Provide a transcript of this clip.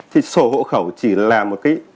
thì sổ hộ khẩu chỉ là một cái